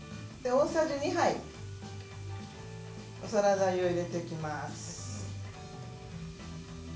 大さじ２杯サラダ油を入れていきます。